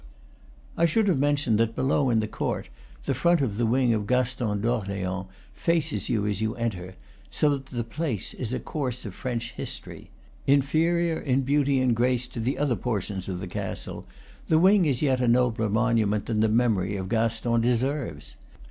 I should have mentioned that below, in the court, the front of the wing of Gaston d'Orleans faces you as you enter, so that the place is a course of French history. Inferior in beauty and grace to the other portions of the castle, the wing is yet a nobler monu ment than the memory of Gaston deserves.